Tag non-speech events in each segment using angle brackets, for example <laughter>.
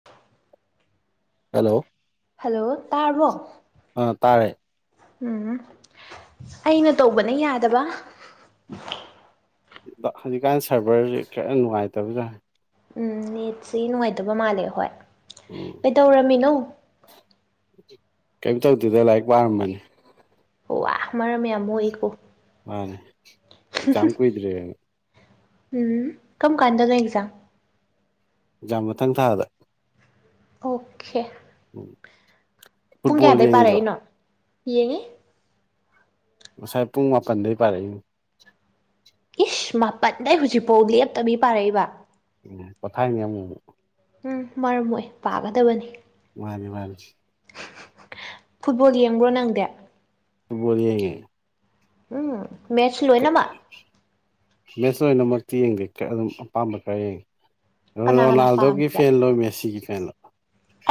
<unintelligible> Hello hello ꯇꯥꯔꯕꯣ ꯑꯥ ꯇꯥꯔꯦ ꯎꯝ ꯑꯩꯅ ꯇꯧꯕꯅ ꯌꯥꯗꯕ ꯍꯧꯖꯤꯛꯀꯥꯟ ꯁꯔꯚꯔꯁꯦ ꯈꯤꯔ ꯅꯨꯡꯉꯥꯏꯇꯕꯖꯥꯔꯦ <inaudible> ꯎꯝ ꯠꯁꯤ ꯅꯨꯡꯉꯥꯏꯇꯕ ꯃꯥꯜꯂꯦ ꯍꯣꯏ <inaudible> ꯎꯝ ꯀꯩꯗꯧꯔꯝꯃꯤꯅꯣ ꯀꯩꯝ ꯇꯧꯗꯤꯗ ꯂꯥꯏꯔꯤꯛ ꯄꯥꯔꯝꯕꯅꯤ ꯑꯣ ꯋꯥ ꯃꯔꯝ ꯌꯥꯝ ꯃꯣꯛꯏꯀꯣ ꯃꯥꯅꯦ ꯑꯦꯛꯖꯥ ꯀꯨꯏꯗ꯭ꯔꯦ ꯎꯝ ꯀꯔꯝ ꯀꯥꯟꯗꯅꯣ ꯑꯦꯛꯖꯥꯝ ꯑꯦꯀꯖꯝ ꯃꯊꯪ ꯊꯥꯗ ꯑꯣꯀꯦ ꯎꯝ ꯄꯨꯡ ꯐꯨꯠꯕꯣꯜ ꯀꯌꯥꯗꯩ ꯌꯦꯡꯗ꯭ꯔꯣ ꯄꯥꯔꯛꯏꯅꯣ ꯌꯦꯡꯉꯤ ꯉꯁꯥꯏ ꯄꯨꯡ ꯃꯥꯄꯟꯗꯩ ꯄꯥꯔꯛꯏꯅꯣ ꯏꯁ ꯃꯥꯄꯟꯗꯩ ꯍꯧꯖꯤꯛꯐꯥꯎ ꯂꯦꯞꯇꯕꯤ ꯄꯥꯔꯛꯏꯕ <unintelligible> ꯎꯝ ꯃꯔꯝ ꯃꯣꯛꯏ ꯄꯥꯒꯗꯕꯅꯤ ꯃꯥꯅꯦ ꯃꯥꯅꯤꯁꯤ ꯐꯨꯠꯕꯣꯜ ꯌꯦꯡꯕ꯭ꯔꯣ ꯅꯪꯗꯤ ꯕꯣꯜꯒꯦ ꯎꯝ ꯃꯦꯠꯁ ꯂꯣꯏꯅꯃꯛ ꯃꯦꯠꯁ ꯑꯣꯏꯅꯃꯛꯇꯤ ꯌꯦꯡꯗꯦ ꯑꯗꯨꯝ ꯑꯄꯥꯝꯕ ꯈꯔ ꯌꯦꯡꯉꯤ ꯀꯅꯥ ꯀꯅꯥ ꯔꯣꯅꯥꯜꯗꯣꯒꯤ ꯄꯥꯝꯃꯤꯕ ꯐꯦꯟꯂꯣ ꯃꯦꯁꯤꯒꯤ ꯐꯦꯟꯂꯣ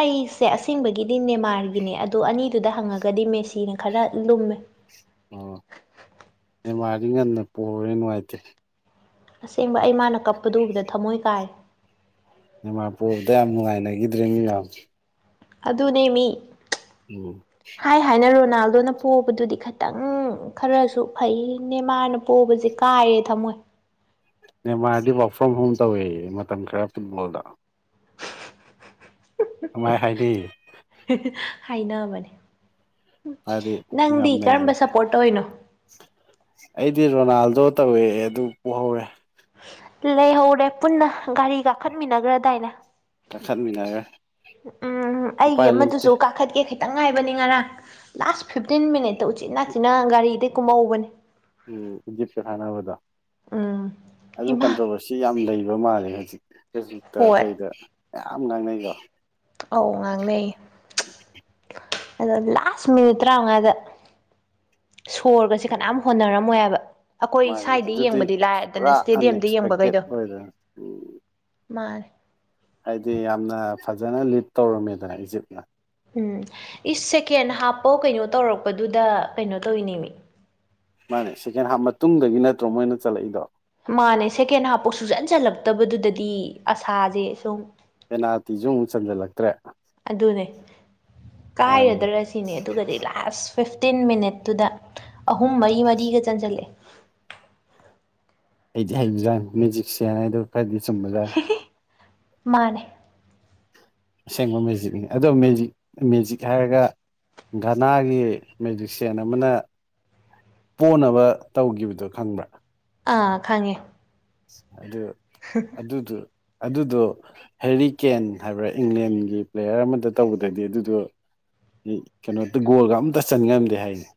ꯑꯩꯁꯦ ꯑꯁꯦꯡꯕꯒꯤꯗꯤ ꯅꯦꯃꯥꯔꯒꯤꯅꯦ ꯑꯗꯣ ꯑꯅꯤꯗꯨꯗ ꯍꯪꯉꯒꯗꯤ ꯃꯦꯁꯤꯅ ꯈꯔ ꯂꯨꯝꯃꯦ ꯑꯣ ꯑꯦ ꯃꯥꯗꯤ ꯉꯟꯅ ꯄꯦ ꯅꯨꯡꯉꯥꯏꯇꯦ ꯑꯁꯦꯡꯕ ꯑꯩ ꯃꯥꯅ ꯀꯞꯄꯗꯨ ꯎꯕꯗ ꯊꯃꯣꯏ ꯀꯥꯏꯔꯦ ꯏꯃꯥ ꯄꯨꯕꯗ ꯌꯥꯝ ꯅꯨꯡꯉꯥꯏꯅꯈꯤꯗ꯭ꯔꯦꯅꯦ ꯃꯌꯥꯝ ꯑꯗꯨꯅꯦꯃꯤ ꯎꯝ ꯍꯥꯏ ꯍꯥꯏꯅ ꯔꯣꯅꯥꯜꯗꯣꯅ ꯄꯣꯕꯗꯨꯗꯤ ꯈꯤꯇꯪ ꯈꯔꯁꯨ ꯐꯩꯅꯦ ꯃꯥꯅ ꯄꯣꯕꯁꯦ ꯀꯥꯏꯔꯦ ꯊꯝꯃꯣꯏ ꯅ ꯃꯥꯔꯗꯤ ꯋꯥꯋꯥꯛ ꯐ꯭ꯔꯣꯝ ꯍꯣꯝ ꯇꯧꯋꯦ ꯃꯇꯝ ꯈꯔ ꯐꯨꯠꯕꯣꯜꯗ ꯀꯃꯥꯏ ꯍꯥꯏꯥꯏꯗꯤ ꯍꯥꯏꯅꯕꯅꯦ ꯍꯥꯏꯗꯤ ꯅꯪꯗꯤ ꯌꯥꯝ ꯅꯩꯌꯦ ꯀꯔꯝꯕ ꯁꯞꯄꯣꯔꯠ ꯇꯧꯔꯤꯅꯣ ꯑꯩꯗꯤ ꯔꯣꯅꯥꯜꯗꯣ ꯇꯧꯋꯦ ꯑꯗꯨ ꯄꫭꯍꯧꯔꯦ ꯂꯩꯍꯧꯔꯦ ꯄꯨꯟꯅ ꯒꯥꯔꯤ ꯀꯥꯈꯠꯃꯤꯟꯅꯈ꯭ꯔꯗꯥꯏꯅꯦ ꯀꯈꯠ ꯃꯤꯟꯅꯒꯔꯦ ꯎꯝ ꯑꯩꯒꯤ ꯑꯃꯗꯨꯁꯨ ꯀꯥꯈꯠꯀꯦ ꯈꯤꯇꯪ ꯉꯥꯏꯕꯅꯤ ꯉꯔꯥꯡ ꯂꯥꯁ ꯐꯤꯞꯇꯤꯟ ꯃꯤꯅꯤꯠꯇ ꯎꯆꯤꯅꯥꯆꯤꯟꯅ ꯒꯥꯔꯤꯗꯩ ꯀꯨꯝꯍꯧꯕꯅꯦ ꯎꯝ ꯏꯗꯤꯞꯁꯨꯦ ꯍꯥꯏꯥꯟꯅꯕꯗꯣ ꯎꯝ ꯑꯗꯨ ꯍꯩꯃꯥ ꯀꯟꯇ꯭ꯔꯣꯕꯔ ꯁꯤ ꯌꯥꯝ ꯂꯩꯕ ꯃꯥꯜꯂꯦ ꯍꯧꯖꯤꯛ ꯐꯦꯁꯕꯨꯛꯇ ꯍꯣꯏ ꯀꯩꯗ ꯃꯌꯥꯝ ꯉꯥꯡꯅꯩꯀꯣ ꯑꯧ ꯉꯥꯡꯅꯩ <unintelligible> ꯑꯗꯣ ꯂꯥꯁ ꯃꯤꯅꯤꯠ ꯇꯔꯥꯃꯉꯥꯗ ꯁꯣꯔꯒꯁꯦ ꯀꯅꯥꯝ ꯍꯣꯠꯅꯔꯝꯃꯣꯏ ꯍꯥꯏꯕ ꯑꯩꯈꯣꯏ ꯃꯥꯅꯦ ꯁ꯭ꯋꯥꯥꯏꯗ ꯑꯗꯨꯗꯤ ꯌꯦꯡꯕꯗꯤ ꯄꯨꯔꯥ ꯂꯥꯏꯔꯗꯅ ꯏꯁꯇꯦꯗꯤꯌꯝꯗ ꯑꯟꯑꯛꯁꯄꯦꯛꯇꯦꯠ ꯌꯦꯡꯕꯈꯩꯗꯣ ꯑꯣꯏꯗꯅ ꯎꯝ ꯃꯥꯅꯦ ꯍꯥꯏꯗꯤ ꯌꯥꯝꯅ ꯐꯖꯅ ꯂꯤꯠ ꯇꯧꯔꯝꯃꯦꯗꯅ ꯏꯖꯤꯞꯅ ꯎꯝ ꯏꯁ ꯁꯦꯀꯦꯟ ꯍꯥꯞꯄꯣ ꯀꯩꯅꯣ ꯇꯧꯔꯛꯄꯗꯨꯗ ꯀꯩꯅꯣ ꯇꯧꯔꯤꯅꯦꯃꯤ ꯃꯥꯅꯦ ꯁꯦꯀꯦꯟ ꯍꯥꯞ ꯃꯇꯨꯡꯗꯒꯤ ꯅꯠꯇ꯭ꯔꯣ ꯃꯣꯏꯅ ꯆꯟꯂꯛꯏꯗꯣ ꯃꯥꯅꯦ ꯁꯦꯀꯦꯟ ꯍꯥꯞꯐꯥꯎ ꯁꯨꯛꯆꯟ ꯆꯜꯂꯛꯇꯕꯗꯨꯗꯗꯤ ꯑꯁꯥꯁꯦ ꯁꯨꯝ ꯄꯦꯅꯥꯜꯇꯤꯖꯨ ꯑꯃꯨꯛ ꯆꯟꯖꯜꯂꯛꯇ꯭ꯔꯦ ꯑꯗꯨꯅꯦ ꯃꯥꯅꯤ ꯀꯥꯏꯔꯗ꯭ꯔ ꯁꯤꯅꯦ ꯑꯗꯨꯒꯗꯤ ꯂꯥꯁ ꯐꯤꯐꯇꯤꯟ ꯃꯤꯅꯠꯇꯨꯗ ꯑꯍꯨꯝ ꯃꯔꯤ ꯃꯔꯤꯒ ꯆꯟꯁꯤꯜꯂꯦ ꯍꯩꯗꯤ ꯍꯩꯕ ꯖꯥꯠꯅꯤ ꯃꯦꯖꯤꯛ ꯁꯤꯌꯥꯟ ꯍꯥꯏꯗꯣ ꯈꯔꯗꯤ ꯆꯨꯝꯕ ꯖꯥꯠꯅꯤ <unintelligible> ꯃꯥꯅꯦ ꯑꯁꯦꯡꯕ ꯃꯦꯖꯤꯛꯅꯤ ꯑꯗꯣ ꯃꯦꯖꯤꯛ ꯃꯦꯖꯤꯛ ꯍꯥꯏꯔꯒ ꯘꯅꯥꯒꯤ ꯃꯦꯖꯤꯛꯁꯤꯟ ꯑꯃꯅ ꯄꯣꯅꯕ ꯇꯧꯒꯤꯕꯗꯣ ꯈꯪꯕ꯭ꯔꯥ ꯑꯥ ꯈꯪꯉꯦ ꯑꯗꯨ ꯑꯗꯨꯗꯨ ꯑꯗꯨꯗꯣ ꯍꯦꯔꯤ ꯀꯦꯟ ꯍꯥꯏꯕ꯭ꯔꯥ ꯏꯪꯂꯦꯟꯒꯤ ꯄ꯭ꯂꯦꯌꯔ ꯑꯃꯗ ꯇꯧꯕꯗꯗꯤ ꯑꯗꯨꯗꯣ ꯀꯩꯅꯣꯗ ꯒꯣꯜꯒ ꯑꯝꯇ ꯆꯟ ꯉꯝꯗꯦ ꯍꯥꯏꯅꯤ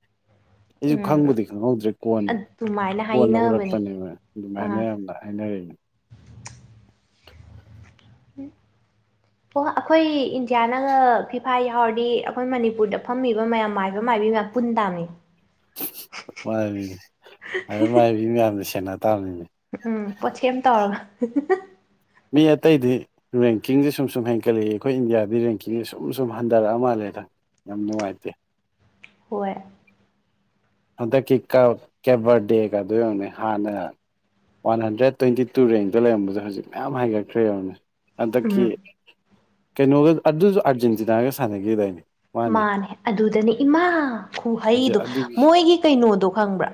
ꯑꯩꯖꯨ ꯎꯝ ꯈꯪꯕꯨꯗꯤ ꯈꯪꯍꯧꯗ꯭ꯔꯦ ꯀꯣꯟꯅ ꯑꯗꯨꯃꯥꯏꯅ ꯀꯣꯟꯅ ꯍꯥꯏꯅꯕꯅꯦ ꯎꯔꯛꯄꯅꯦꯕ ꯑꯥ ꯑꯗꯨꯃꯥꯏꯅ <unintelligible> ꯍꯥꯏꯅꯔꯦꯅ <unintelligible> ꯑꯣ ꯑꯩꯈꯣꯏ ꯏꯟꯗꯤꯌꯥꯅꯒ ꯐꯤꯐꯥ ꯌꯥꯎꯔꯗꯤ ꯑꯩꯈꯣꯏ ꯃꯅꯤꯄꯨꯔꯗ ꯐꯝꯃꯤꯕ ꯃꯌꯥꯝ ꯃꯥꯏꯕ ꯃꯥꯏꯕꯤ ꯃꯌꯥꯝ ꯄꯨꯟꯇꯥꯃꯤ <unintelligible> ꯃꯥꯏꯕ ꯃꯥꯏꯕꯤ ꯃꯌꯥꯝꯅ ꯁꯦꯟꯅ ꯇꯥꯕꯅꯤꯅꯦ ꯎꯝ ꯄꯣꯠꯁꯦꯝ ꯇꯧꯔꯒ <unintelligible> ꯃꯤ ꯑꯇꯩꯩꯗꯤ ꯔꯦꯡꯀꯤꯡꯖꯦ ꯁꯨꯝ ꯁꯨꯝ ꯍꯦꯟꯀꯠꯂꯛꯏ ꯑꯩꯈꯣꯏ ꯏꯟꯗꯤꯌꯥꯗꯤ ꯔꯦꯡꯀꯤꯡꯖꯦ ꯁꯨꯝ ꯁꯨꯝ ꯍꯟꯊꯔꯛꯑ ꯃꯥꯜꯂꯦꯗꯥ ꯌꯥꯝ ꯅꯨꯡꯉꯥꯏꯇꯦ ꯍꯣꯏ ꯍꯟꯗꯛꯀꯤ ꯀꯕ ꯀꯦꯕꯔꯗꯦꯒ ꯒꯗꯣ ꯌꯦꯡꯉꯨꯅꯦ ꯍꯥꯟꯅ ꯋꯥꯟ ꯍꯟꯗ꯭ꯔꯦꯠ ꯇ꯭ꯋꯦꯟꯇꯤ ꯇꯨ ꯔꯦꯡꯇ ꯂꯩꯔꯝꯕꯖꯦ ꯍꯧꯖꯤꯛ ꯃꯌꯥꯝ ꯍꯥꯏꯒꯠꯈ꯭ꯔꯦꯕꯅꯦ ꯍꯟꯗꯛꯀꯤ ꯎꯝ ꯀꯩꯅꯣꯒ ꯑꯗꯨꯖꯨ ꯑꯥꯔꯖꯦꯟꯇꯤꯅꯥꯒ ꯁꯥꯟꯅꯈꯤꯗꯥꯏꯅꯦ ꯃꯥꯅꯦ ꯑꯗꯨꯗꯅꯦ ꯏꯃꯥ ꯍꯧꯖꯤꯛ ꯈꯨꯍꯩꯗꯣ ꯑꯗꯨꯒꯤ ꯃꯣꯏꯒꯤ ꯀꯩꯅꯣꯗꯣ ꯈꯪꯕ꯭ꯔꯥ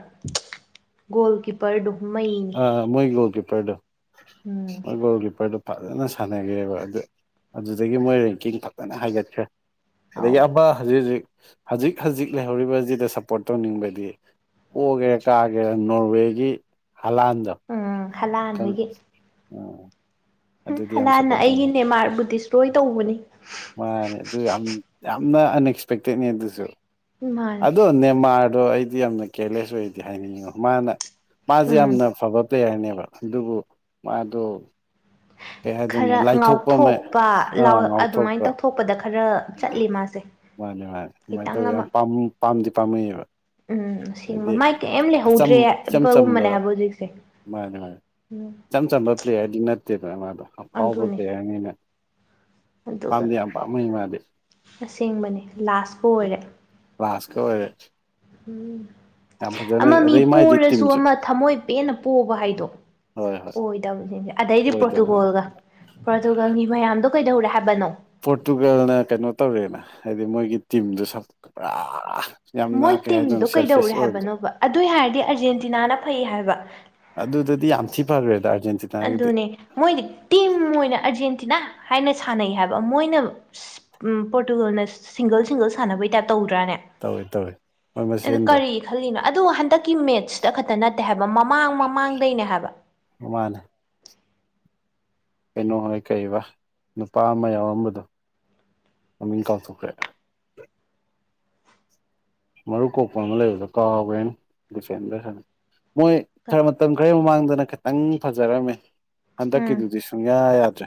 ꯒꯣꯜ ꯀꯤꯞꯄꯔꯗꯣ ꯃꯩꯅꯤ ꯑ ꯃꯣꯏ ꯒꯣꯜ ꯀꯤꯄꯔꯗꯣ ꯎꯝ ꯒꯣꯜ ꯀꯤꯄꯔꯗ ꯐꯖꯅ ꯁꯥꯟꯅꯒꯔꯦꯕ ꯑꯗꯨ ꯑꯗꯨꯗꯒꯤ ꯃꯣꯏ ꯔꯦꯡꯀꯤꯡ ꯐꯖꯅ ꯍꯥꯏꯒꯠꯈ꯭ꯔꯦ ꯑꯗꯒꯤ ꯑꯧ ꯑꯃ ꯍꯧꯖꯤꯛ ꯍꯧꯖꯤꯛ ꯍꯖꯤꯛ ꯍꯖꯤꯛ ꯂꯩꯍꯧꯔꯤꯕꯖꯝꯗ ꯁꯞꯄꯣꯔꯠ ꯇꯧꯅꯤꯡꯕꯗꯤ ꯑꯣꯒꯦꯔꯥ ꯀꯥꯒꯦꯔ ꯅꯣꯔꯋꯦꯒꯤ ꯍꯂꯥꯟ ꯎꯝ ꯍꯂꯥꯟ ꯍꯣꯏꯒꯤ <unintelligible> ꯎꯝ ꯑꯗꯨꯗꯤ ꯌꯥꯝ ꯍꯂꯥꯟꯅ ꯁꯞꯄꯣꯔꯠ ꯇꯧꯅꯤ ꯑꯩꯒꯤ ꯅꯦꯃꯥꯔꯕꯨ ꯙꯤꯁꯇꯔꯑꯣꯏ ꯇꯧꯕꯅꯤ ꯃꯥꯅꯦ ꯑꯗꯨ ꯌꯥꯝ ꯌꯥꯝꯅ ꯑꯟꯑꯦꯛꯁꯄꯦꯛꯇꯦꯠꯅꯤ ꯑꯗꯨꯖꯨ ꯃꯥꯅꯦ ꯑꯗꯣ ꯅꯦꯃꯥꯔꯗꯣ ꯑꯩꯗꯤ ꯌꯥꯝꯅ ꯀꯦꯌꯔꯂꯦꯁ ꯑꯣꯏꯗꯤ ꯍꯥꯏꯅꯤꯡꯉꯤꯉꯣ ꯃꯥꯅ ꯃꯥꯖꯦ ꯎꯝ ꯌꯥꯝꯅ ꯐꯕ ꯄ꯭ꯂꯦꯌꯔ ꯅꯦꯕ ꯑꯗꯨꯕꯨ ꯃꯥꯗꯣ ꯀꯩ ꯍꯥꯏꯗꯣꯏꯅꯣ ꯈꯔ ꯂꯥꯏꯊꯣꯛꯄ ꯑꯃ ꯉꯥꯎꯊꯣꯛꯄ ꯑꯥ ꯑꯗꯨꯃꯥꯏꯅ ꯉꯥꯎꯊꯣꯛꯄ ꯇꯧꯊꯣꯛꯄꯗ ꯈꯔ ꯆꯠꯂꯤ ꯃꯥꯁꯦ ꯃꯥꯅꯦ ꯃꯥꯅꯦ ꯑꯗꯨꯃꯥꯏꯅ ꯈꯤꯇꯪ ꯇꯧꯋꯤ ꯑꯃ ꯌꯥꯝ ꯄꯥꯝ ꯄꯥꯝꯗꯤ ꯄꯥꯝꯃꯨꯏ ꯌꯦꯕ ꯎꯝ ꯑꯁꯦꯡꯕ ꯃꯥꯏ ꯀꯔꯤꯝ ꯂꯩꯍꯧꯗ꯭ꯔꯦ ꯏꯆꯝ ꯆꯝꯕ ꯍꯥꯏꯕꯒꯨꯝꯕꯅꯦ ꯍꯥꯏꯕ ꯍꯧꯖꯤꯛꯁꯦ ꯃꯥꯅꯦ ꯃꯥꯅꯤ ꯎꯝ ꯏꯆꯝ ꯆꯝꯕ ꯄ꯭ꯂꯦꯌꯔꯗꯤ ꯅꯠꯇꯦꯗꯅ ꯃꯥꯗꯣ ꯑꯐꯥꯎꯕ ꯑꯗꯨꯅꯦ ꯄ꯭ꯂꯦꯌꯥꯔꯅꯤꯅ ꯑꯗꯨꯒ ꯄꯝꯗꯤ ꯌꯥꯞ ꯄꯥꯝꯃꯨꯢ ꯃꯥꯗꯤ ꯑꯁꯦꯡꯕꯅꯦ ꯂꯥꯁꯄꯨ ꯑꯣꯏꯔꯦ ꯂꯥꯁꯀ ꯑꯣꯏꯔꯦ ꯎꯝ ꯌꯥꯝ ꯐꯖꯅ ꯑꯃ ꯃꯤ ꯑꯗꯩ ꯃꯥꯏꯗꯤ ꯄꯣꯔꯥꯁꯨ ꯇꯤꯝꯁꯨ ꯑꯃ ꯊꯝꯃꯣꯏ ꯄꯦꯟꯅ ꯄꯣꯕ ꯍꯥꯏꯗꯣ ꯍꯣꯏ ꯍꯣꯏ ꯑꯣꯏꯗꯕꯅꯤꯅꯦ ꯑꯗꯩꯗꯤ ꯑꯣꯏꯗꯕ ꯄꯣꯔꯇꯨꯒꯣꯜꯒ ꯄ꯭ꯔꯣꯇꯨꯒꯜ ꯒꯤ ꯃꯌꯥꯝꯗꯣ ꯀꯩꯗꯧꯔꯦ ꯍꯥꯏꯕꯅꯣ ꯄꯣꯔꯇꯨꯒꯜꯅ ꯀꯩꯅꯣ ꯇꯧꯔꯦꯅ ꯍꯥꯏꯗꯤ ꯃꯣꯏꯒꯤ ꯇꯤꯝꯗꯣ ꯁ ꯄꯨꯔꯥ ꯃꯣꯏ ꯌꯥꯝꯅ ꯀꯩ ꯍꯥꯏꯗꯣꯏꯅꯣ ꯇꯤꯝꯗꯣ ꯀꯩꯗꯧꯔꯦ ꯁꯦꯜꯐꯤꯁ ꯑꯣꯏꯕꯗꯣ ꯍꯥꯏꯕꯅꯣꯕ ꯑꯗꯨꯏ ꯍꯥꯏꯔꯗꯤ ꯑꯔꯖꯦꯟꯇꯤꯅꯥꯅ ꯐꯩ ꯍꯥꯏꯕ ꯑꯗꯨꯗꯗꯤ ꯌꯥꯝ ꯊꯤ ꯐꯈ꯭ꯔꯦꯗ ꯑꯔꯖꯦꯟꯇꯤ ꯑꯗꯨꯅꯦ ꯃꯣꯏꯅ ꯇꯤꯝ ꯑꯣꯏꯅ ꯑꯔꯖꯦꯟꯇꯤꯅꯥ ꯍꯥꯏꯅ ꯁꯥꯟꯅꯩ ꯍꯥꯏꯕ ꯃꯣꯏꯅ ꯑꯁ ꯄꯣꯔꯇꯨꯒꯜꯅ ꯁꯤꯡꯒꯜ ꯁꯤꯡꯒꯜ ꯁꯥꯟꯅꯕꯩ ꯇꯥꯏꯞ ꯇꯧꯗ꯭ꯔꯅꯦ꯫ ꯇꯧꯏ ꯇꯧꯏ ꯃꯣꯏ ꯃꯁꯦꯟꯗꯣ ꯈꯜꯂꯤꯅꯣ ꯑꯗꯨ ꯍꯟꯗꯛꯀꯤ ꯃꯦꯠꯁꯇ ꯈꯛꯇ ꯅꯠꯇꯦ ꯍꯥꯏꯕ ꯃꯃꯥꯡ ꯃꯃꯥꯡꯗꯩꯅꯦ ꯍꯥꯏꯕ ꯃꯥꯟꯅꯦ ꯀꯩꯅꯣ ꯍꯣꯢ ꯀꯩꯕ ꯅꯨꯄꯥ ꯑꯃ ꯌꯥꯎꯔꯝꯕꯗꯣ ꯃꯃꯤꯡ ꯀꯥꯎꯊꯣꯛꯈ꯭ꯔꯦ ꯃꯔꯨ ꯀꯣꯛꯄ ꯑꯃ ꯂꯩꯕꯗꯣ ꯀꯥꯎꯒꯔꯦꯅꯦ ꯗꯤꯐꯦꯟꯗꯔ ꯁꯥꯟ ꯃꯣꯏ ꯈꯔ ꯃꯇꯝ ꯈꯔꯒꯤ ꯃꯃꯥꯡꯗꯅ ꯈꯤꯇꯪ ꯐꯖꯔꯝꯃꯦ ꯎꯝ ꯍꯟꯗꯛꯀꯤꯗꯨꯗꯤꯁꯨ꯫ ꯁꯨꯡꯌꯥ ꯌꯥꯗ꯭ꯔꯦ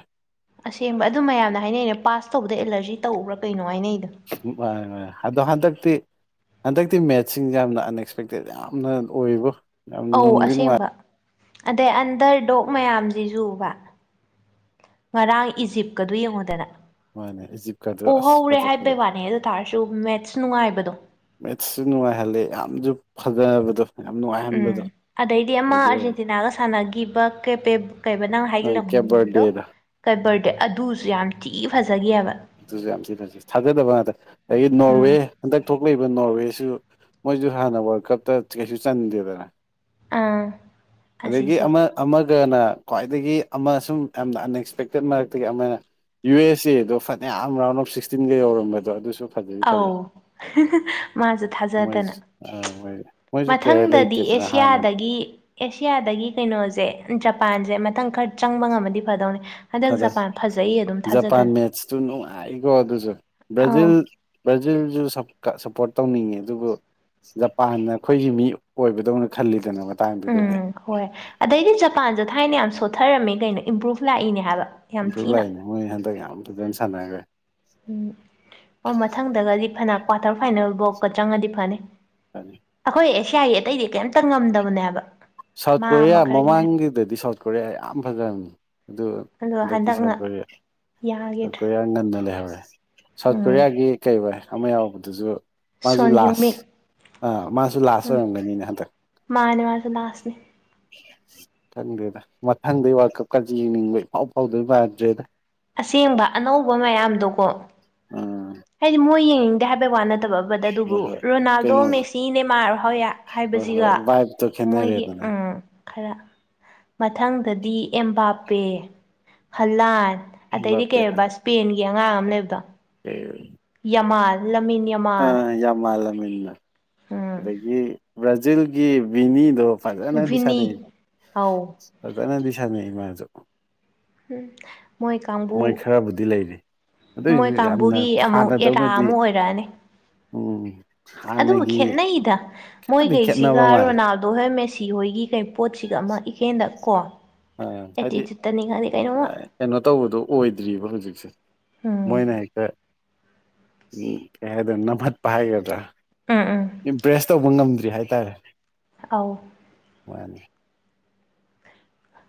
ꯑꯁꯦꯡꯕ ꯑꯗꯨ ꯃꯌꯥꯝꯅ ꯍꯥꯏꯅꯩꯩꯅ ꯄꯥꯁ ꯇꯧꯕꯗ ꯑꯦꯂꯔꯖꯤ ꯇꯧꯕ꯭ꯔꯥ ꯀꯩꯅꯣ ꯍꯥꯏꯅꯩꯗꯣ ꯃꯅꯦ ꯃꯅꯦ ꯑꯗꯣ ꯍꯟꯗꯛꯇꯤ ꯍꯟꯗꯛꯇꯤ ꯃꯦꯠꯁꯁꯤꯡꯁꯦ ꯌꯥꯝꯅ ꯑꯟꯑꯛꯁꯄꯦꯛꯇꯦꯠ ꯌꯥꯝꯅ ꯑꯣꯏꯌꯦꯕꯣ ꯑꯧ ꯑꯁꯦꯡꯕ ꯑꯗꯩ ꯑꯟꯗꯔ ꯗꯣꯛ ꯃꯌꯥꯝꯖꯤꯁꯨꯕ ꯉꯔꯥꯡ ꯏꯖꯤꯞꯀꯗꯨ ꯌꯦꯡꯉꯣꯗꯅ꯫ ꯃꯥꯅꯦ ꯏꯖꯤꯞꯀꯥꯗꯨ ꯑꯁ ꯐꯖꯈꯠꯂꯛꯑꯦ ꯋꯥꯅꯦ ꯑꯗꯨ ꯇꯥꯔꯁꯨ ꯃꯦꯠꯁ ꯅꯨꯡꯉꯥꯏꯕꯗꯣ ꯃꯦꯠꯁꯨ ꯅꯨꯡꯉꯥꯏꯍꯜꯂꯦ ꯌꯥꯝꯖꯨ ꯐꯖꯕꯗꯣ ꯎꯝ <unintelligible> ꯑꯗꯩꯗꯤ ꯑꯃ ꯑꯣꯏꯗꯤ ꯑꯣꯏꯔꯝꯃꯦ ꯑꯥꯔꯖꯦꯟꯇꯤꯅꯥꯒ ꯁꯥꯟꯅꯒꯤ ꯕ ꯀꯦꯄꯦ ꯀꯩꯕ ꯅꯪ ꯍꯥꯏꯒꯤꯕ ꯂꯝꯗꯣ ꯀꯕꯔ ꯗꯦ ꯑꯗꯨꯁꯨ ꯌꯥꯝ ꯊꯤ ꯐꯖꯥꯈꯤ ꯍꯥꯏꯕ ꯑꯗꯨꯁꯨ ꯌꯥꯝ ꯊꯤ ꯐꯖꯩ ꯊꯥꯖꯗꯕ ꯉꯥꯛꯇ ꯑꯗꯒꯤ ꯅꯣꯔꯋꯦ ꯎꯝ ꯍꯟꯗꯛ ꯊꯣꯛꯂꯛꯏꯕ ꯅꯣꯔꯋꯦꯁꯨ ꯃꯣꯏꯖꯨ ꯍꯥꯟꯅ ꯋꯥꯔꯜ ꯀꯞꯇ ꯀꯩꯁꯨ ꯆꯟꯗꯔꯤꯗꯅ ꯑꯥ ꯑꯗꯒꯤ ꯑꯁꯤꯁꯨ ꯑꯃ ꯑꯃꯒꯅ ꯈ꯭ꯋꯥꯏꯗꯒꯤ ꯑꯃ ꯁꯨꯝ ꯌꯥꯝꯅ ꯑꯟꯑꯛꯁꯄꯦꯛꯇꯦꯠ ꯃꯔꯛꯇꯒꯤ ꯑꯃꯅ ꯌꯨ ꯑꯦꯁ ꯑꯦꯗꯣ ꯐꯅꯌꯥꯝ ꯔꯥꯎꯟ ꯑꯣꯐ ꯁꯤꯛꯁꯇꯤꯟꯒ ꯌꯧꯔꯝꯕꯗꯣ ꯑꯗꯨꯁꯨ ꯐꯖꯗꯤ ꯐꯖꯩ ꯑꯧ ꯍꯤꯍꯤꯍꯤ ꯃꯥꯁꯨ ꯃꯣꯏꯁꯨ ꯊꯥꯖꯗꯅ ꯃꯣꯏ ꯃꯣꯏꯁꯨ ꯄ꯭ꯂꯦꯌꯔ ꯃꯊꯪꯗꯗꯤ ꯂꯩꯇꯦꯗꯅ ꯍꯥꯟꯅꯅꯦ ꯑꯦꯁꯤꯌꯥꯗꯒꯤ ꯑꯦꯁꯤꯌꯥꯗꯒꯤ ꯀꯩꯅꯣꯁꯦ ꯖꯄꯥꯟꯁꯦ ꯃꯊꯪ ꯈꯔ ꯆꯪꯕ ꯉꯝꯃꯗꯤ ꯐꯗꯧꯅꯤ ꯍꯟꯗꯛ ꯖꯄꯥꯟ ꯐꯖꯩ ꯑꯗꯨꯝ ꯊꯥꯖꯗꯅ ꯁꯨ ꯅꯨꯡꯉꯥꯏꯀꯣ ꯑꯗꯨꯖꯨ ꯕ꯭ꯔꯥꯖꯤꯜ ꯑꯧ ꯕ꯭ꯔꯥꯖꯤꯜꯁꯨ ꯁꯞ ꯀ ꯁꯞꯄꯣꯔꯠ ꯇꯧꯅꯤꯡꯉꯤ ꯑꯗꯨꯕꯨ ꯖꯄꯥꯟꯅ ꯑꯩꯈꯣꯏꯒꯤ ꯃꯤ ꯑꯣꯏꯕꯗꯧꯅ ꯈꯜꯂꯤꯗꯅ ꯃꯇꯥꯡꯗꯨꯗꯗꯤ ꯎꯝ ꯍꯣꯏ ꯑꯗꯩꯗꯤ ꯖꯄꯥꯟꯁꯨ ꯊꯥꯏꯅ ꯌꯥꯝ ꯁꯣꯠꯊꯔꯝꯃꯦ ꯀꯩꯅꯣ ꯏꯝꯄ꯭ꯔꯨꯚ ꯂꯥꯛꯏꯅꯦ ꯍꯥꯏꯕ ꯌꯥꯝ ꯏꯝꯄ꯭ꯔꯨꯞ ꯊꯤꯅ ꯂꯥꯛꯏꯅꯦ ꯃꯣꯏ ꯍꯟꯗꯛ ꯌꯥꯝ ꯐꯖꯅ ꯁꯥꯟꯅꯈ꯭ꯔꯦ ꯎꯝ ꯑꯣ ꯃꯊꯪꯗꯒꯗꯤ ꯐꯅ ꯀ꯭ꯋꯥꯇꯔ ꯐꯥꯏꯅꯦꯜ ꯕꯣꯛꯀ ꯆꯪꯉꯗꯤ ꯐꯅꯤ ꯑꯩꯈꯣꯏ ꯑꯦꯁꯤꯌꯥꯒꯤ ꯑꯇꯩꯗꯤ ꯀꯩꯝꯇ ꯉꯝꯗꯕꯅꯦꯕ ꯍꯥꯏꯕ ꯁꯥꯎꯠ ꯀꯣꯔꯤꯌꯥ ꯃꯃꯥꯡꯒꯤꯗꯗꯤ ꯁꯥꯎꯠ ꯀꯣꯔꯤꯌꯥ ꯌꯥꯝ ꯐꯖꯕꯅꯤ ꯑꯗꯨ ꯑꯗꯣ ꯍꯟꯗꯛꯇꯤ ꯍꯟꯗꯛꯅ ꯁꯥꯎꯠ ꯀꯣꯔꯤꯌꯥ ꯁꯥꯎꯠ ꯌꯥꯈꯤꯗ꯭ꯔꯦ ꯀꯣꯔꯤꯌꯥ ꯉꯟꯅ ꯂꯩꯍꯧꯔꯦ ꯁꯥꯎꯠ ꯎꯝ ꯀꯣꯔꯤꯌꯥꯒꯤ ꯀꯩꯕ ꯑꯃ ꯌꯥꯎꯕꯗꯨꯁꯨ ꯃꯥꯁꯨ ꯁꯣꯟ ꯂꯥꯁ ꯍ꯭ꯌꯨꯃꯤꯠ ꯑꯥ ꯃꯥꯁꯨ ꯂꯥꯁ ꯎꯝ ꯑꯣꯏꯔꯝꯒꯅꯤꯅꯦ ꯍꯟꯗꯛ ꯃꯥꯅꯦ ꯃꯥꯖꯨ ꯂꯥꯁꯅꯤ ꯈꯪꯗꯦꯗ ꯃꯊꯪꯗꯤ ꯋꯥꯔꯜ ꯀꯞꯀꯁꯦ ꯌꯦꯡꯅꯤꯡꯕ ꯏꯐꯥꯎ ꯐꯥꯎꯗꯣꯏ ꯃꯥꯟꯅꯗ꯭ꯔꯦꯗ ꯑꯁꯦꯡꯕ ꯑꯅꯧꯕ ꯃꯌꯥꯝꯗꯣꯀꯣ꯫ ꯎꯝ ꯍꯥꯏꯗꯤ ꯃꯣꯏ ꯌꯦꯡꯅꯤꯡꯗꯦ ꯍꯥꯏꯕꯩ ꯋꯥ ꯅꯠꯇꯕ ꯐꯕꯗ ꯑꯗꯨꯕꯨ ꯍꯣꯏ ꯍꯣꯏ ꯔꯣꯅꯥꯜꯗꯣ ꯀꯩꯅꯣꯗꯣ ꯃꯦꯁꯤ ꯅꯦꯃꯥꯔ ꯍꯣꯏ ꯍꯣꯏ ꯍꯣꯏ ꯍꯥꯏꯕꯁꯤꯒ ꯚꯥꯏꯞꯇꯣ ꯃꯣꯏꯒꯤ ꯈꯦꯠꯅꯔꯦꯗꯅ ꯎꯝ ꯈꯔ ꯃꯊꯪꯗꯗꯤ ꯑꯦꯝꯕꯥꯄꯦ ꯍꯂꯥꯟ ꯑꯗꯩꯗꯤ ꯕꯥꯄꯦ ꯀꯩꯕ ꯏꯁꯄꯦꯟꯒꯤ ꯑꯉꯥꯡ ꯑꯃ ꯂꯩꯕꯗꯣ ꯎ ꯌꯥꯃꯥꯜ ꯂꯃꯤꯟ ꯌꯥꯃꯥꯜ ꯌꯥꯝ ꯂꯃꯤꯟꯅ ꯎꯝ ꯑꯗꯒꯤ ꯕ꯭ꯔꯥꯖꯤꯜꯒꯤ ꯕꯤꯅꯤꯗꯣ ꯐꯖꯅꯗꯤ ꯁꯥꯟꯅꯩ ꯚꯤꯅꯤ ꯑꯧ ꯐꯖꯅꯗꯤ ꯁꯥꯟꯅꯩ ꯃꯁꯨ ꯎꯝ ꯃꯣꯏ ꯃꯣꯏ ꯀꯥꯡꯕꯨ ꯈꯔꯕꯨꯗꯤ ꯂꯩꯔꯤ ꯃꯣꯏ ꯑꯗꯨꯏꯁꯨ ꯌꯥꯝꯅ ꯀꯥꯡꯕꯨꯒꯤ ꯑꯃꯨꯛ ꯑꯦꯔꯥ ꯍꯥꯟꯅꯗꯧꯅꯗꯤ ꯑꯃ ꯑꯣꯏꯔꯛꯑꯅꯤ ꯎꯝ ꯑꯗꯨꯕꯨ ꯍꯥꯟꯅꯒꯤ ꯈꯦꯅꯩꯗ ꯈꯔꯗꯤ ꯃꯣꯏꯒꯩꯁꯤꯒ ꯈꯦꯠꯅꯕ ꯃꯥꯜꯂꯦ ꯔꯣꯅꯥꯜ ꯑꯗꯣ ꯍꯣꯏ ꯃꯦꯁꯤ ꯍꯣꯏꯒꯤ ꯀꯩ ꯄꯣꯠꯁꯤꯒ ꯑꯃ ꯏꯀꯦꯟꯗ ꯀꯣ ꯑ ꯍꯥꯏꯗꯤ ꯑꯦꯠꯇꯤꯇꯨꯏꯠꯇꯅꯤ ꯈꯪꯗꯦ ꯀꯩꯏꯅꯣꯝꯃ ꯀꯩꯅꯣ ꯇꯧꯕꯗꯣ ꯑꯣꯏꯗ꯭ꯔꯤꯕ ꯍꯧꯖꯤꯛꯁꯦ ꯎꯝ ꯃꯣꯏꯅ ꯍꯦꯛꯇ ꯎꯝ ꯍꯥꯏꯗꯣꯏꯅꯣ ꯅꯝꯍꯠꯄ ꯍꯥꯏꯒꯗ꯭ꯔꯥ ꯎꯝ ꯎꯝ ꯏꯝꯄ꯭ꯔꯦꯁ ꯇꯧꯕ ꯉꯝꯗ꯭ꯔꯤ ꯍꯥꯏꯇꯥꯔꯦ ꯑꯥꯎ ꯃꯅꯤ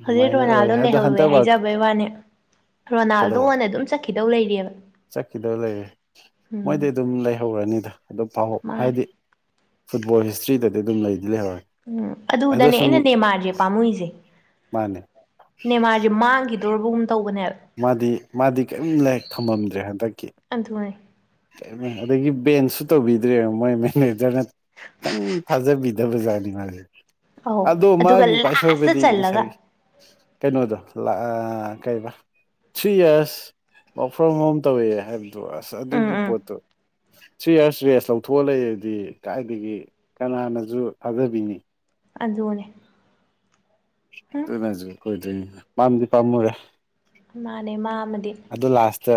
ꯍꯧꯖꯤꯛ ꯑꯣꯏ ꯔꯣꯅꯥꯜꯗꯣ ꯑꯗꯣ ꯂꯩꯍꯧꯋꯦ ꯍꯟꯗꯛ ꯍꯥꯏꯖꯕꯩ ꯋꯥꯅꯦ ꯔꯣꯅꯥꯜꯗꯣꯅ ꯑꯗꯨꯝ ꯆꯠ ꯈꯤꯗꯧ ꯂꯩꯔꯤꯑꯕ ꯆꯠꯈꯤꯗꯧ ꯂꯩꯔꯦ ꯎꯝ ꯃꯣꯏꯗꯤ ꯑꯗꯨꯝ ꯂꯩꯍꯧꯔꯅꯤꯗ ꯑꯗꯨꯝ ꯄꯥꯎꯍꯧ ꯃꯥꯅꯦ ꯍꯥꯏꯗꯤ ꯐꯨꯠꯕꯣꯜ ꯍꯤꯁꯇ꯭ꯔꯤꯗꯗꯤ ꯑꯗꯨꯝ ꯂꯩꯗꯤ ꯂꯩꯍꯧꯔꯦ꯫ ꯎꯝ ꯑꯗꯨꯗꯅꯦ ꯑꯩꯅ ꯅꯦꯃꯥꯔꯖꯦ ꯄꯥꯝꯃꯨꯏꯖꯦ꯫ ꯃꯥꯅꯦ ꯅꯦꯃꯥꯔꯖꯦ ꯃꯥꯡꯒꯤꯗꯧꯔꯕꯒꯨꯝ ꯇꯧꯕꯅꯦ ꯃꯥꯗꯤ ꯃꯥꯗꯤ ꯀꯔꯤꯝ ꯂꯩ ꯊꯝꯃꯝꯗ꯭ꯔꯦ ꯍꯟꯗꯛꯀꯤ ꯑꯗꯨꯊꯃꯅꯦ ꯑꯗꯒꯤ ꯕꯦꯟꯁꯨ ꯇꯧꯕꯤꯗ꯭ꯔꯦꯕ ꯃꯣꯏ ꯃꯦꯅꯦꯖꯔꯅ ꯈꯤꯇꯪ ꯊꯥꯖꯕꯤ ꯑꯧ <unintelligible> ꯑꯗꯣ ꯑꯗꯨꯒ ꯃꯥꯒꯤ ꯈꯋꯥꯏ ꯂꯥꯁꯇ ꯁꯣꯏꯕꯗꯤ ꯆꯜꯂꯒ ꯉꯁꯥꯏꯒꯤ ꯀꯩꯅꯣꯗꯣ ꯀꯩꯔꯤꯕ ꯊ꯭ꯔꯤ ꯌꯔꯁ <unintelligible> ꯇꯧꯋꯦ ꯍꯥꯏꯕꯗꯣ ꯑꯁ ꯎꯝ ꯑꯗꯨꯒꯤ ꯎꯝ ꯄꯣꯠꯇꯨ ꯊ꯭ꯔꯤ ꯏꯔꯁ ꯔꯦꯁ ꯂꯧꯊꯣꯛꯑ ꯂꯩꯗꯤ ꯀꯥꯏꯗꯒꯤ ꯀꯅꯥꯅꯁꯨ ꯊꯥꯖꯕꯤꯅꯤ ꯑꯗꯨꯅꯦ ꯎꯝ ꯑꯗꯨꯅꯁꯨ ꯀꯨꯏꯗꯣꯏꯅꯤꯗ ꯄꯥꯝꯗꯤ ꯄꯥꯝꯃꯨꯔꯦ꯫ ꯃꯥꯟꯅꯦ ꯃꯥ ꯑꯃꯗꯤ ꯑꯗꯣ ꯂꯥꯁꯇ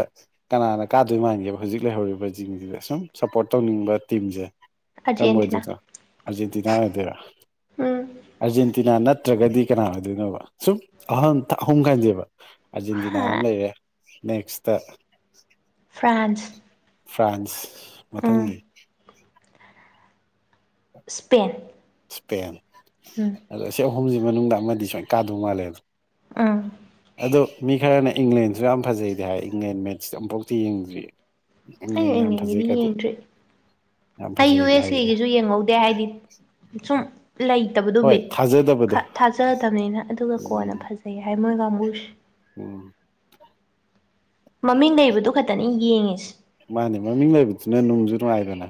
ꯀꯅꯥꯅ ꯀꯥꯗꯣꯏ ꯃꯥꯟꯒꯦꯕ ꯍꯧꯖꯤꯛ ꯂꯩꯍꯧꯔꯤꯕ ꯖꯤꯁꯤꯗ ꯁꯁꯨꯝ ꯁꯞꯄꯣꯔꯠ ꯇꯧꯅꯤꯡꯕ ꯇꯤꯝꯁꯦ ꯀꯔꯝꯕ ꯑꯥꯔꯖꯦꯟꯇꯤꯅꯥ ꯑꯣꯏꯗꯨꯅꯣ ꯑꯔꯖꯦꯟꯇꯤꯅꯥ ꯑꯣꯏꯗꯣꯏꯔꯥ ꯎꯝ ꯑꯔꯖꯦꯟꯇꯤꯅꯥ ꯅꯠ ꯅꯠꯇ꯭ꯔꯒꯗꯤ ꯀꯅꯥ ꯑꯣꯏꯗꯣꯏꯅꯣꯕ ꯁꯨꯝ ꯑꯍꯟ ꯑꯍꯨꯝ ꯈꯟꯖꯦꯕ ꯑꯥꯔꯖꯦꯟꯇꯤꯅꯥ ꯑꯃ ꯂꯩꯔꯦ꯫ ꯅꯦꯛꯁꯇꯔ ꯐ꯭ꯔꯥꯟꯁ ꯐ꯭ꯔꯥꯟꯁ ꯎꯝ ꯃꯊꯪꯗꯤ ꯁ꯭ꯄꯦꯟ ꯁ꯭ꯄꯦꯟ꯫ ꯎꯝ꯫ ꯑꯗꯣ ꯁꯤ ꯑꯍꯨꯝꯁꯤ ꯃꯅꯨꯡꯗ ꯑꯃꯗꯤ ꯁꯣꯏꯅ ꯀꯥꯗꯧ ꯃꯥꯜꯂꯦ ꯑꯗꯣ ꯎꯝ ꯑꯗꯣ ꯃꯤ ꯈꯔꯅ ꯏꯪꯂꯟꯖꯨ ꯌꯥꯝ ꯐꯖꯩ ꯍꯥꯏ ꯏꯪꯂꯦꯟ ꯃꯦꯁ ꯑꯃꯨꯐꯥꯎꯇꯤ ꯌꯦꯡꯗ꯭ꯔꯤ꯫ ꯑꯩꯅ ꯏꯪꯂꯦꯟ ꯌꯥꯝ ꯐꯖꯩ ꯌꯦꯅꯤꯡꯉꯗꯤ ꯀꯗꯤ ꯌꯦꯡꯗ꯭ꯔꯤ ꯌꯥꯝ ꯑꯩ ꯌꯨ ꯐꯖꯩꯗꯤ ꯑꯦꯁ ꯍꯥꯏꯔꯦ ꯑꯦꯒꯤꯁꯨ ꯌꯦꯡꯍꯧꯗꯦ ꯍꯥꯏꯗꯤ ꯁꯨꯝ ꯂꯩ <unintelligible> ꯇꯕꯗꯨꯣ ꯍꯣꯏ ꯕꯤꯠ ꯊꯥꯖꯗꯕꯗꯣ ꯊꯥꯖꯗꯕꯅꯤꯅ ꯑꯗꯨꯒ ꯎꯝ ꯀꯣꯟꯅ ꯐꯖꯩ ꯍꯥꯏ ꯃꯣꯏ ꯀꯥꯡꯕꯨꯁꯦ ꯎꯝ ꯃꯃꯤꯡ ꯂꯩꯕꯗꯨ ꯈꯛꯇꯅꯤ ꯌꯦꯡꯉꯤꯁꯦ ꯃꯥꯅꯤ ꯃꯃꯤꯡ ꯂꯩꯕꯗꯨꯅ ꯅꯨꯡꯖꯨ ꯅꯨꯡꯉꯥꯏꯗꯅ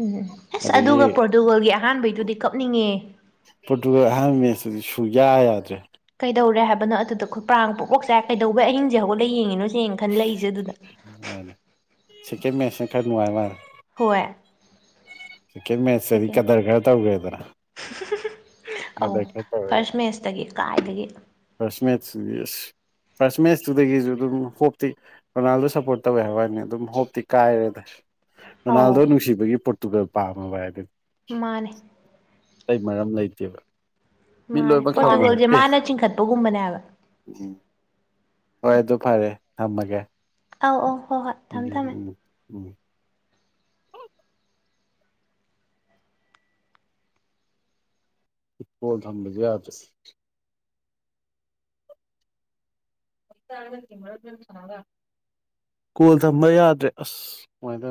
ꯎꯝꯝ ꯑꯁ ꯑꯗꯒꯤ ꯑꯗꯨꯒ ꯄꯣꯔꯇꯨꯒꯜꯒꯤ ꯑꯍꯥꯟꯕꯩꯗꯨꯗꯤ ꯀꯞꯅꯤꯡꯉꯦ ꯄꯣꯠꯇꯨ ꯑꯍꯔꯝꯃꯤꯁꯤꯗꯤ ꯁꯨꯌꯥ ꯌꯥꯗ꯭ꯔꯦ ꯀꯩꯗꯧꯔꯦ ꯍꯥꯏꯕꯅꯣ ꯑꯗꯨꯗ ꯄ꯭ꯔꯥꯡ ꯄꯣꯛ ꯑꯣꯣꯛ ꯆꯥꯏ ꯀꯩꯗꯧꯕꯩ ꯑꯍꯤꯡꯁꯦ ꯍꯧꯒꯛꯂ ꯌꯦꯡꯤꯅꯣ ꯁ ꯌꯦꯡꯅ ꯈꯟ ꯂꯩꯛꯏꯁꯦ ꯑꯗꯨꯗ ꯅꯨꯡꯥꯏꯅꯦ ꯁꯦꯀꯦꯟ ꯃꯦꯁꯅ ꯈꯔ ꯅꯨꯡꯉꯥꯏ ꯃꯥꯦ ꯍꯦ ꯁꯦꯀꯦꯟ ꯃꯦꯠꯆꯇꯗꯤ ꯀꯗꯔ ꯈꯔ ꯇꯧꯒꯦꯗꯅ ꯑꯧ ꯇꯧꯔꯦ ꯐꯥꯔꯁ ꯃꯦꯁꯇꯒꯤ ꯀꯥꯏꯗꯒꯤ ꯐꯥꯔꯁ ꯃꯦꯠꯆ ꯌꯦꯁ ꯐꯥꯔꯁ ꯃꯦꯠꯆꯇꯨꯗꯒꯤꯁꯨ ꯑꯗꯨꯝ ꯍꯣꯞꯇꯤ ꯔꯣꯅꯥꯜꯗꯣ ꯁꯞꯄꯣꯔꯠ ꯇꯧꯋꯦ ꯍꯥꯏ ꯋꯥꯏꯅꯤ ꯑꯗꯨꯝ ꯍꯣꯞꯇꯤ ꯀꯥꯏꯔꯦꯗ ꯔꯣꯅꯥꯜꯗꯣ ꯑꯧ ꯅꯨꯡꯁꯤꯕꯒꯤ ꯄꯣꯔꯇꯨꯒꯜ ꯄꯥꯝꯃꯕ ꯍꯥꯏ ꯑꯗꯨꯗꯤ ꯃꯥꯅꯦ ꯀꯩ ꯃꯔꯝ ꯂꯩꯇꯦꯕ ꯃꯤ ꯃꯥꯅꯦ ꯂꯣꯏꯅꯃꯛ ꯁꯥꯎꯅꯔꯦ ꯄꯣꯔꯇꯨꯒꯜꯁꯦ ꯃꯥꯅ ꯆꯤꯡꯈꯠꯄꯒꯨꯝꯕꯅꯦꯕ ꯎ ꯍꯣꯏ ꯑꯗꯨ ꯐꯔꯦ ꯊꯝꯃꯒꯦ ꯑꯧ ꯑꯧ ꯍꯣꯏ ꯍꯣꯏ ꯎꯝ ꯊꯝꯃꯦ ꯊꯝꯃꯦ ꯎꯝ ꯎꯝ ꯏꯣ ꯊꯝꯝꯕꯗꯤ ꯌꯥꯗ ꯀꯣꯜ ꯊꯝꯕ ꯌꯥꯗ꯭ꯔꯦ ꯑꯁ ꯀꯃꯥꯏꯅ ꯇꯧ